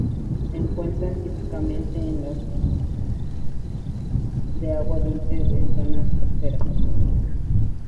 Se encuentran típicamente en los pantanos de agua dulce, en zonas costeras.